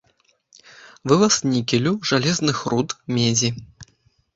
Вываз нікелю, жалезных руд, медзі.